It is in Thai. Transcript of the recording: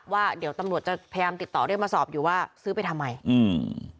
ว่าเดี๋ยวตำรวจจะพยายามติดต่อเรียกมาสอบอยู่ว่าซื้อไปทำไมอืม